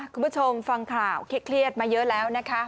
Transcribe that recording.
คุณผู้ชมฟังข่าวเครียดมาเยอะแล้วนะคะ